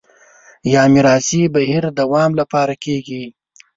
یا میراثي بهیر دوام لپاره کېږي